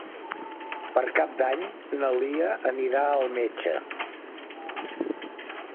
Per Cap d'Any na Lia anirà al metge.